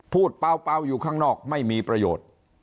เปล่าอยู่ข้างนอกไม่มีประโยชน์